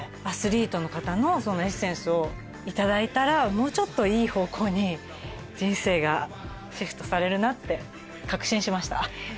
アスリートの方のエッセンスを頂いたらもうちょっといい方向に人生がシフトされるなって確信しました。